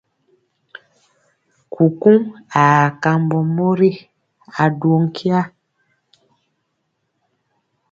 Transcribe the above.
Kukuŋ aa kambɔ mori a duwɔ nkya.